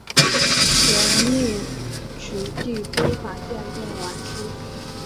全力取缔非法电动玩具